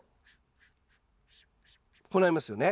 こうなりますよね。